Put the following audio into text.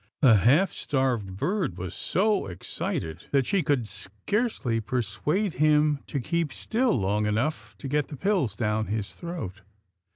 The half starved bird was so excited that she could scarcely persuade him to keep still long enough to get the pills down his throat.